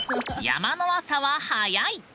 山の朝は早い。